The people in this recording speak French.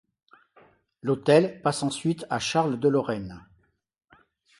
L'hôtel passe ensuite à Charles de Lorraine.